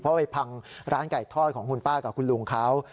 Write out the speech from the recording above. เพราะไปพังร้านไก่ทอดของคุณป้ากับคุณลุงเขา